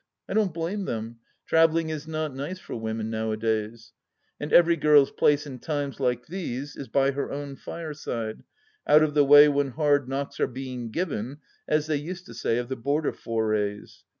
I don't blame them ; travelling is not nice for women nowadays. And every girl's place in times like these is by her own fireside, out of the way when hard knocks are being given, as they used to say of the border forays.